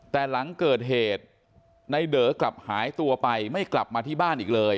แต่หลังเกิดเหตุในเดอกลับหายตัวไปไม่กลับมาที่บ้านอีกเลย